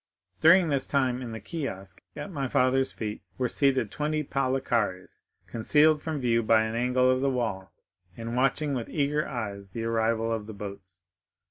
During this time, in the kiosk at my father's feet, were seated twenty Palikares, concealed from view by an angle of the wall and watching with eager eyes the arrival of the boats.